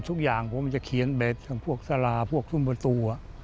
ทุกอย่างผมจะเขียนแบบพวกสาราพวกทุ่มประตู